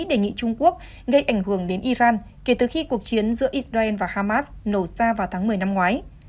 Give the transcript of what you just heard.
đề nghị trung quốc gây ảnh hưởng đến iran kể từ khi cuộc chiến giữa israel và hamas nổ ra vào tháng một mươi năm ngoái